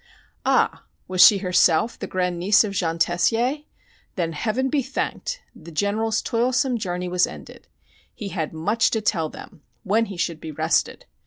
Ah! was she herself the grandniece of Jean Tessier? Then, Heaven be thanked! the General's toilsome journey was ended. He had much to tell them when he should be rested.